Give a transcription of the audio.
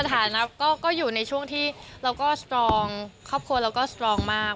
สถานก็อยู่ในช่วงที่ข้อพอร์มมาก